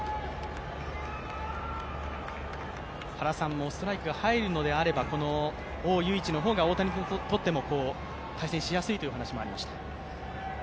原さんもストライクが入るのであればオウ・ユイイチの方が大谷にとっても対戦しやすいという話もありました。